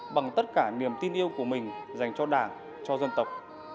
bằng tất cả niềm tin yêu của mình dành cho đảng cho dân tộc